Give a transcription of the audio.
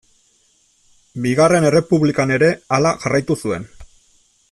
Bigarren Errepublikan ere hala jarraitu zuen.